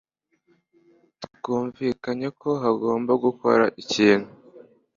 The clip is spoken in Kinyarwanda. Twumvikanye ko hagomba gukorwa ikintu.